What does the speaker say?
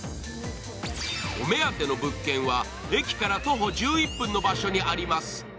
お目当ての物件は、駅から徒歩１１分の場所にあります。